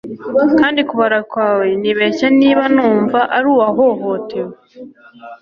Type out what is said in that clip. Kandi kubara kwawe nibeshya niba numva ari uwahohotewe